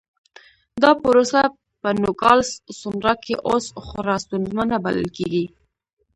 دا پروسه په نوګالس سونورا کې اوس خورا ستونزمنه بلل کېږي.